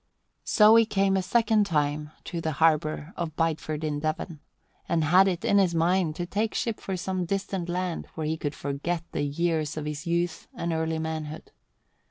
So he came a second time to the harbour of Bideford, in Devon, and had it in his mind to take ship for some distant land where he could forget the years of his youth and early manhood.